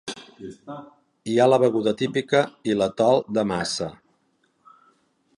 I hi ha la beguda típica i l'atol de massa.